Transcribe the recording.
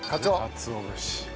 かつお節。